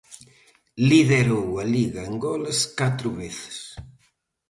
Liderou a liga en goles catro veces.